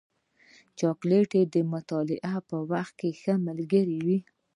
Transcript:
چاکلېټ د مطالعې پر وخت ښه ملګری وي.